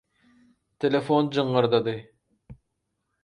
Telefon jyňňyrdady.